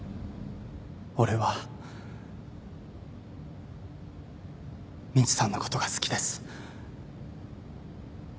俺はみちさんのことが好きです。